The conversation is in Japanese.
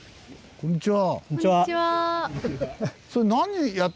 こんにちは。